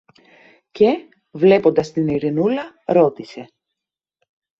Και, βλέποντας την Ειρηνούλα, ρώτησε